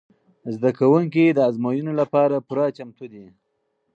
زده کوونکي د ازموینو لپاره پوره چمتو دي.